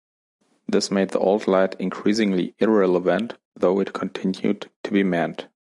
This made the old light increasingly irrelevant, though it continued to be manned.